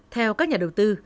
theo các nhà đầu tư